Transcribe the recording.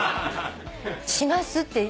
しますって。